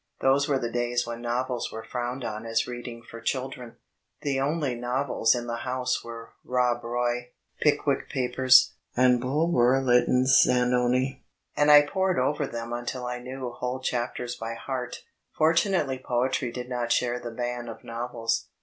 Those were the days when novels were frowned on as reading for children. The only novels in the house were Rob Roy, Pickwick Papers, and Bulwer Lytron's Zamni; and I pored over them until I knew whole chaprers by hean. Formnarely poetry did not share the ban of novels.